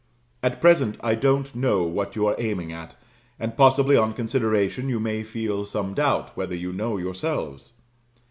At present I don't know what you are aiming at, and possibly on consideration you may feel some doubt whether you know yourselves.